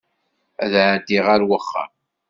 Ad ɛeddiɣ ar wexxam.